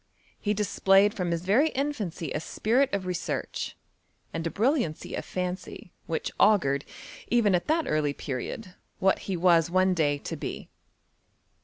Hedisplayed from his very infancy aspiritof research, and a brilliancy of fancy, which augured, even at that early period, what be was one day to be.